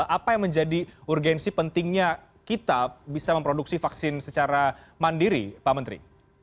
apa yang menjadi urgensi pentingnya kita bisa memproduksi vaksin secara mandiri pak menteri